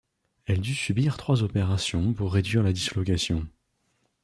Elle dû subir trois opérations pour réduire la dislocation.